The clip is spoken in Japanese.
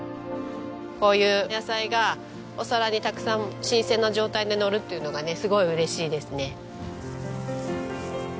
こういう野菜がお皿にたくさん新鮮な状態でのるっていうのがねすごい嬉しいですね。